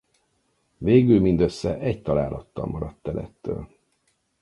Végül mindössze egy találattal maradt el ettől.